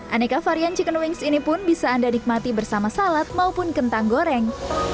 aneka varian chicken wings ini pun bisa anda nikmati bersama salad maupun kentang goreng